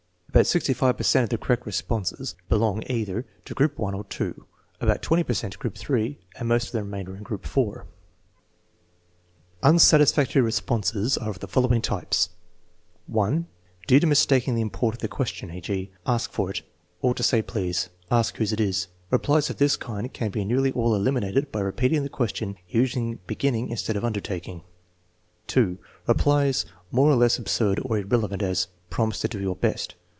About 65 per cent of the correct responses belong either to group (1) or (2), about 20 per cent to group (3), and most of the remain der to group (4). 270 THE MEASUREMENT OF INTELLIGENCE Unsatisfactory responses are of the following types: (1) Due to mistaking tlie import of the question; e.g. : "Ask for it." "Ought to say please." "Ask whose it is." Replies of this kind can be nearly all eliminated by repeating the ques tion, using beginning instead of undertaJdng. (2) Replies more or less absurd or irrelevant; as: "Promise to do your best."